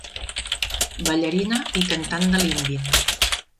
Ballarina i cantant de l'Índia.